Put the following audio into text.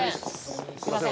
すいません